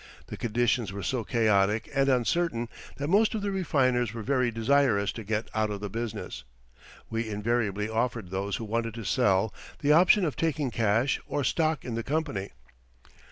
The conditions were so chaotic and uncertain that most of the refiners were very desirous to get out of the business. We invariably offered those who wanted to sell the option of taking cash or stock in the company.